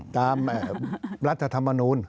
ตามรัฐธรรมนุน